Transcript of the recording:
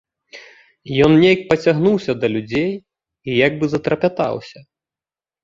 Ён нейк пацягнуўся да людзей і як бы затрапятаўся.